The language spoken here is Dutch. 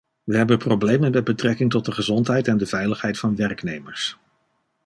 We hebben problemen met betrekking tot de gezondheid en de veiligheid van werknemers.